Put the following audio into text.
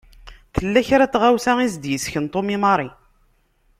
Tella kra n tɣawsa i s-d-isken Tom i Mary.